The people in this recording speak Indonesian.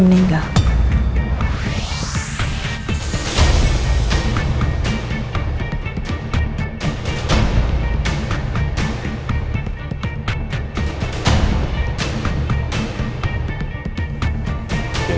saya nggak tahu